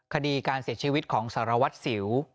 คดีการเสียชีวิตของสารวัตรสิว